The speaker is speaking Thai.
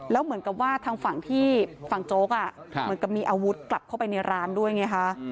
แล้วเหมือนกับว่าทางฝั่งที่ฝั่งโจ๊กเหมือนกับมีอาวุธกลับเข้าไปในร้านด้วยไงคะ